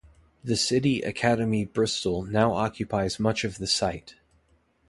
The City Academy Bristol now occupies much of the site.